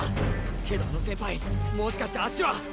けどあの先輩もしかして脚は。